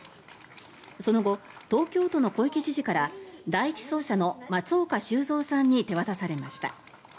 その後、東京都の小池知事から第１走者の松岡修造さんに手渡されました。